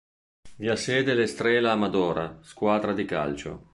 Vi ha sede l'Estrela Amadora, squadra di calcio.